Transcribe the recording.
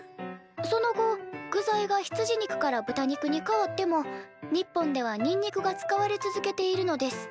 「その後具材が羊肉からぶた肉に変わっても日本ではにんにくが使われ続けているのです」